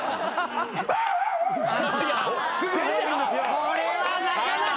これはなかなか。